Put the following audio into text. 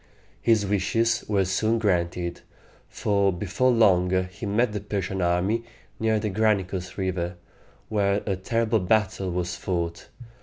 His wishes were soon granted, for before long he met the Persian army near the Gra ni´cus River, where a terrible battle was fought.